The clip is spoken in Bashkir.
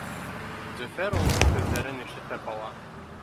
Зөфәр уның һүҙҙәрен ишетеп ала